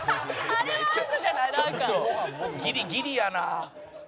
ギリギリやなあ。